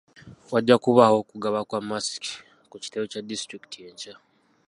Wajja kubaawo okugaba kwa masiki ku kitebe kya disitulikiti enkya.